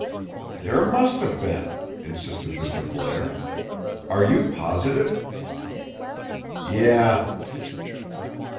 "There must have been," insisted Mr. Blair. "Are you positive?" "Yeh."